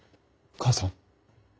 母さん。